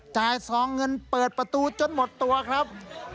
ซองเงินเปิดประตูจนหมดตัวครับ